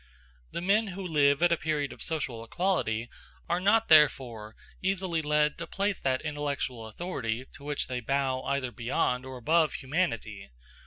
The men who live at a period of social equality are not therefore easily led to place that intellectual authority to which they bow either beyond or above humanity.